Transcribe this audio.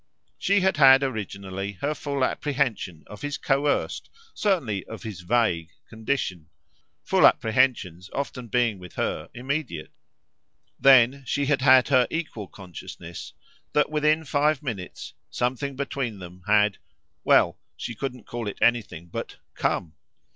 She had had originally her full apprehension of his coerced, certainly of his vague, condition full apprehensions often being with her immediate; then she had had her equal consciousness that within five minutes something between them had well, she couldn't call it anything but COME.